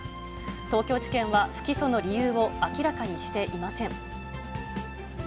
東京地検は不起訴の理由を明らかにしていません。